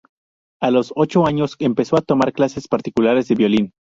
A los ocho años, empezó a tomar clases particulares de violín.